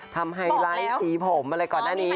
ไฮไลท์สีผมอะไรก่อนหน้านี้